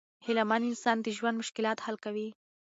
هیله مند انسان د ژوند مشکلات حل کوي.